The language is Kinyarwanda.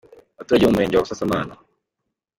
Abaturage bo mu Murenge wa Busasamana.